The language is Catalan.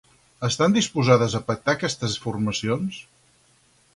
Estan disposades a pactar aquestes formacions?